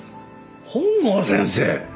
本郷先生。